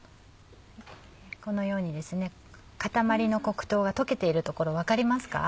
このようにですね塊の黒糖が溶けている所分かりますか？